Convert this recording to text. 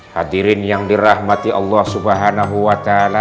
hadirin yang dirahmati allah swt